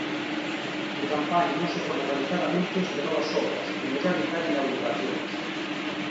En campaña non se poden realizar anuncios de novas obras, nin realizar inauguracións.